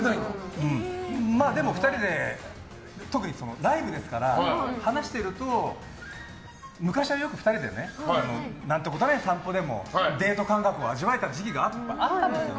でも２人で、特にライブですから話してると昔はよく２人で何てことない散歩でもデート感覚を味わえた時期があったんですよ。